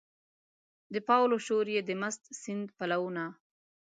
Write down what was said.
د پاولو شور یې د مست سیند پلونه